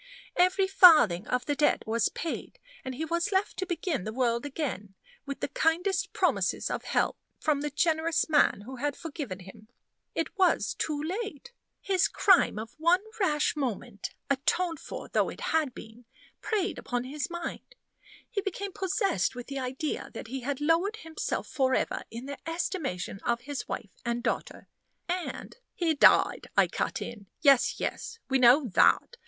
Every farthing of the debt was paid; and he was left to begin the world again, with the kindest promises of help from the generous man who had forgiven him. It was too late. His crime of one rash moment atoned for though it had been preyed upon his mind. He became possessed with the idea that he had lowered himself forever in the estimation of his wife and daughter, and " "He died," I cut in. "Yes, yes, we know that.